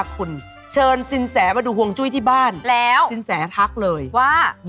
คุณสินแสมาดูห่วงจุ้ยที่บ้านสินแสทักเลยว่าแล้ว